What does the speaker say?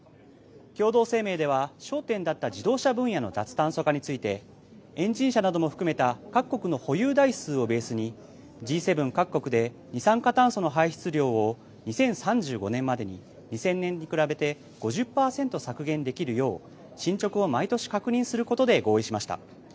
共同声明では焦点だった自動車分野の脱炭素化についてエンジン車なども含めた各国の保有台数をベースにＧ７各国で二酸化炭素の排出量を２０３５年までに２０００年に比べて５０％削減できるよう進捗を毎年確認することで合意しました。